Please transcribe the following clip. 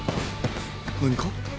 何か？